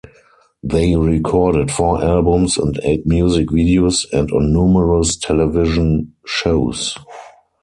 They recorded four albums and eight music videos, and on numerous television shows.